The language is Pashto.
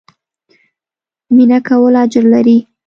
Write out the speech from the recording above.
مينه کول اجر لري